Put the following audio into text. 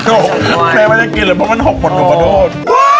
โอ้เค้าไม่ได้กินเลยเพราะมันหกผลผมขอโทษ